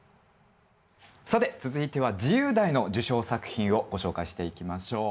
さて続いては自由題の受賞作品をご紹介していきましょう。